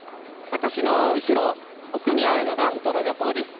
私の後ろ、奥にあるのがウトロ漁港です。